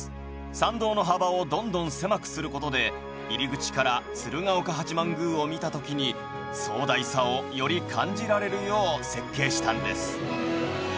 参道の幅をどんどん狭くする事で入り口から鶴岡八幡宮を見た時に壮大さをより感じられるよう設計したんです。